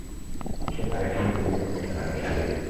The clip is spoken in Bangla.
সে কার এক্সিডেন্ট করিয়ে নিজের মৃত্যুর নাটক সাজিয়েছে।